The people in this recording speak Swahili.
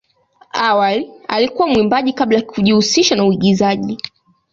Awali alikuwa mwimbaji kabla ya kujihusisha na uigizaji.